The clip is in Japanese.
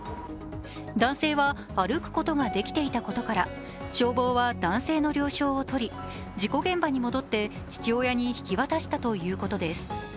男性は歩くことができていたことから、消防は、男性の了承をとり事故現場に戻って父親に引き渡したということです。